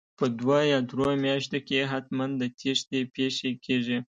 په دوو یا درو میاشتو کې حتمن د تېښتې پېښې کیږي